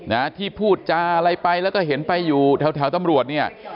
นะที่พูดจาอะไรไปแล้วก็เห็นไปอยู่แถวแถวตำรวจเนี่ย